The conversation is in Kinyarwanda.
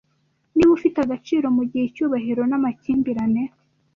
Niba ufite agaciro mugihe icyubahiro namakimbirane